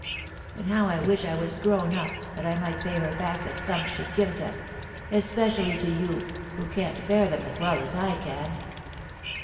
And how I wish I was grown up, that I might pay her back the thumps she gives us, especially to you, who can't bear them as well as I can."